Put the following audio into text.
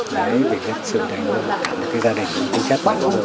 đấy vì cái sự đánh giá cái gia đình cũng chết quá